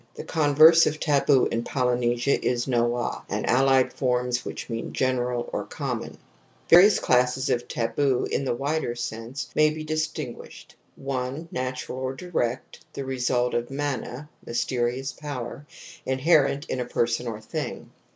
The converse of taboo in Poly nesia is ' noa ' and allied forms which mean 'general' or 'common' ...\" Various classes of taboo in the wider sense' may be distinguished : 1. natural or direct, the result of ' mana ' mysterious (power) inherent in a person or thing ; 2.